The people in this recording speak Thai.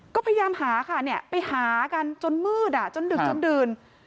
ก็พยายามหาค่ะไปหากันจนมืดจนดึกจนดื่น